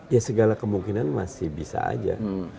ya segala kemungkinan masih bisa aja